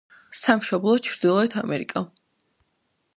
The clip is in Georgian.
სამშობლო: ჩრდილოეთ ამერიკა.